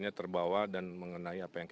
keturunan dengan denmark